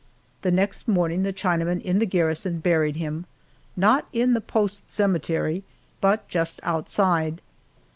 The next morning the Chinamen in the garrison buried him not in the post cemetery, but just outside.